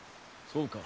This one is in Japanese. そうか。